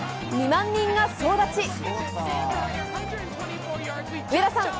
２万人が総立ち！